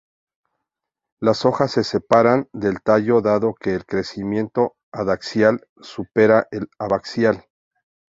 Las hojas se separan del tallo dado que el crecimiento adaxial supera el abaxial.